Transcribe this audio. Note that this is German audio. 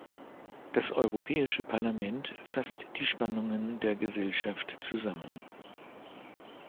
Das Europäische Parlament fasst die Spannungen der Gesellschaft zusammen.